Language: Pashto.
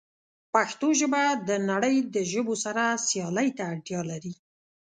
پښتو ژبه د نړۍ د ژبو سره سیالۍ ته اړتیا لري.